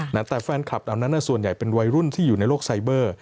แต่แฟนคลับเหล่านั้นส่วนใหญ่เป็นวัยรุ่นที่อยู่ในโลกไซเบอร์